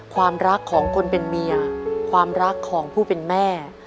ความรักของคนเป็นเมียความรักของผู้เป็นแม่